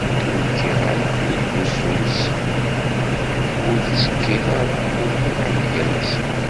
Ur kkiɣ ara deg umussu-nsen, ur ttekkiɣ! Ur lliɣ gar-asen!